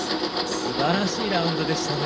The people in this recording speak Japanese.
すばらしいラウンドでしたね。